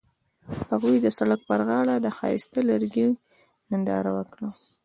هغوی د سړک پر غاړه د ښایسته لرګی ننداره وکړه.